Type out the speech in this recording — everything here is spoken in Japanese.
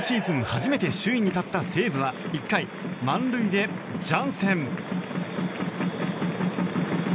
初めて首位に立った西武は１回、満塁でジャンセン。